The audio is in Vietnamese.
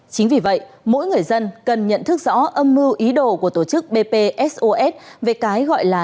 chính vì vậy mỗi người dân cần nhận thức rõ âm mưu ý đồ của tổ chức bpsos về cái gọi là